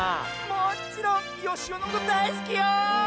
もちろんよしおのことだいすきよ！